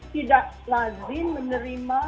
tidak lazim menerima